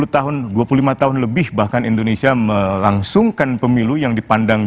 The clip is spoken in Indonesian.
sepuluh tahun dua puluh lima tahun lebih bahkan indonesia melangsungkan pemilu yang dipandang